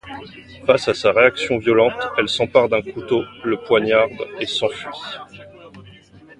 Face à sa réaction violente, elle s’empare d'un couteau, le poignarde et s'enfuit.